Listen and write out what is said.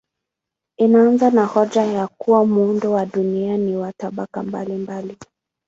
Inaanza na hoja ya kuwa muundo wa dunia ni wa tabaka mbalimbali.